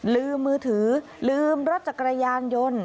ลืมมือถือลืมรถจักรยานยนต์